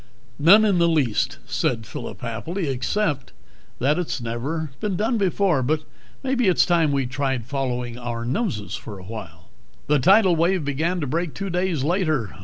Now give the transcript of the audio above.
"None in the least," said Phillip happily, "except that it's never been done before. But maybe it's time we tried following our noses for a while." The tidal wave began to break two days later